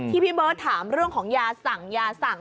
พี่เบิร์ตถามเรื่องของยาสั่งยาสั่ง